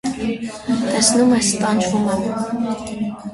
տեսնում ես՝ տանջվում եմ: